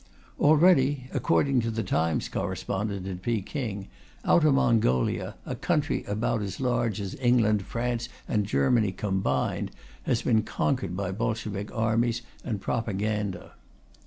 Already, according to The Times correspondent in Peking, Outer Mongolia, a country about as large as England, France and Germany combined, has been conquered by Bolshevik armies and propaganda.